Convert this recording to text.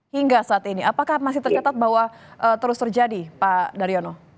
hingga saat ini apakah masih tercatat bahwa terus terjadi pak daryono